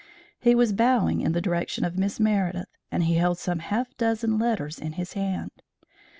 He was bowing in the direction of Miss Meredith, and he held some half dozen letters in his hand.